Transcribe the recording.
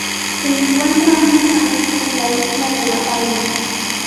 Se encuentra únicamente en la isla de La Palma.